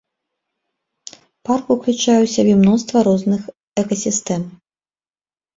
Парк ўключае ў сябе мноства розных экасістэм.